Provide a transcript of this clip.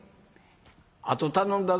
『あと頼んだぞ』